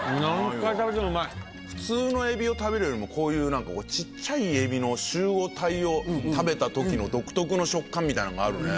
普通のえびを食べるよりもこういう小っちゃいえびの集合体を食べた時の独特の食感みたいなのがあるね。